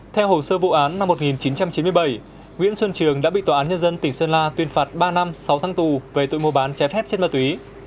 theo hồ sơ vụ án năm một nghìn chín trăm chín mươi bảy nguyễn xuân trường đã bị tòa án nhân dân tỉnh sơn la tuyên phạt ba năm sáu tháng tù về tội mua bán trái phép chất ma túy